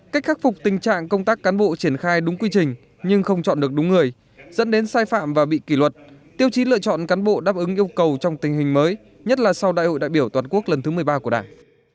cách khắc phục tình trạng công tác cán bộ triển khai đúng quy trình nhưng không chọn được đúng người dẫn đến sai phạm và bị kỷ luật tiêu chí lựa chọn cán bộ đáp ứng yêu cầu trong tình hình mới nhất là sau đại hội đại biểu toàn quốc lần thứ một mươi ba của đảng